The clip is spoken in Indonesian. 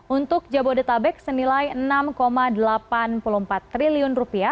untuk jabodetabek senilai rp enam delapan puluh empat triliun